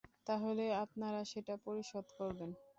তাহলে আপনারা সেটা পরিশোধ করবেন?